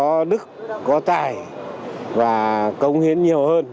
có đức có tài và cống hiến nhiều hơn